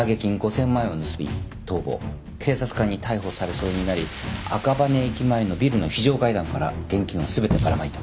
警察官に逮捕されそうになり赤羽駅前のビルの非常階段から現金を全てばらまいた。